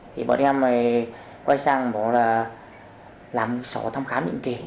thì bọn em quay sang làm sổ thăm khám định kỳ